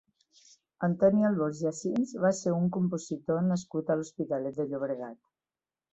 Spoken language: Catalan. Antoni Albors i Asins va ser un compositor nascut a l'Hospitalet de Llobregat.